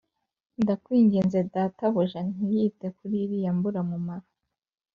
Ndakwinginze databuja ntiyite kuri iriya mburamumaro